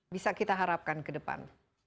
bisa kita harapkan ke depan